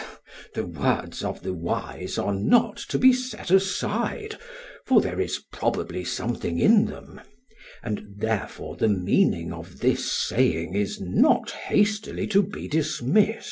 SOCRATES: The words of the wise are not to be set aside; for there is probably something in them; and therefore the meaning of this saying is not hastily to be dismissed.